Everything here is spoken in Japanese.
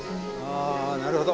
あなるほど。